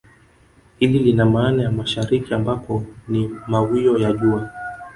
Hili lina maana ya mashariki ambako ni mawio ya jua